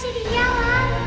tidak ada tiara